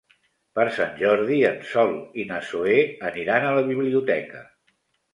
Per Sant Jordi en Sol i na Zoè aniran a la biblioteca.